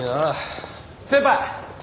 先輩！